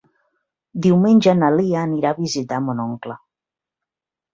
Diumenge na Lia anirà a visitar mon oncle.